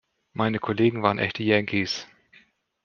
Meine Kollegen waren echte Yankees.